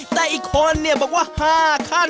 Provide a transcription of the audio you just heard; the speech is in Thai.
แต่อีกคนบอกว่า๕ขั้น